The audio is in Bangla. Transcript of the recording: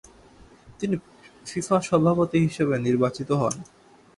তিনি ফিফা সভাপতি হিসেবে নির্বাচিত হন।